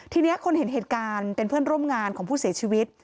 ทีนี้คนเห็นเหตุการณ์เป็นเพื่อนร่วมงานของผู้เสียชีวิต